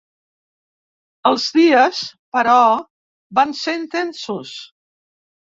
Els dies, però, van ser intensos.